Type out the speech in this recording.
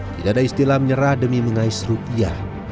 tidak ada istilah menyerah demi mengais rupiah